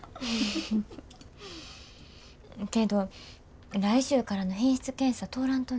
けど来週からの品質検査通らんとな。